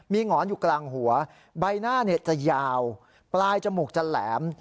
มีหงอนอยู่กลางหัวใบหน้าจะยาวปลายจมูกจะแหลม